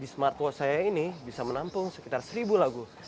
di smartwatt saya ini bisa menampung sekitar seribu lagu